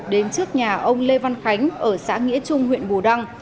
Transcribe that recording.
đến trước nhà ông lê văn khánh ở xã nghĩa trung huyện bù đăng